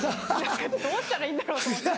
どうしたらいいんだろうと思って。